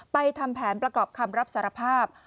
ทำแผนประกอบคำรับสารภาพ